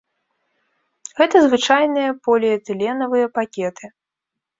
Гэта звычайныя поліэтыленавыя пакеты.